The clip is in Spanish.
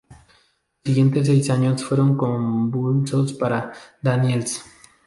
Los siguientes seis años fueron convulsos para Daniels.